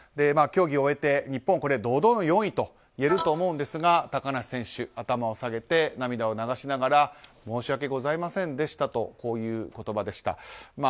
競技を終えて日本は堂々の４位といえると思うんですが高梨選手、頭を下げて涙を流しながら申し訳ございませんでしたとこういう言葉でした。